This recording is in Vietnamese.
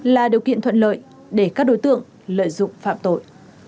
là điều kiện thuận lợi để các đối tượng lợi dụng phạm tội